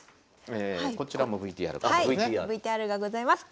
こちらもＶＴＲがございますね。